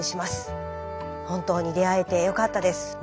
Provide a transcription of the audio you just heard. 「本当に出会えて良かったです。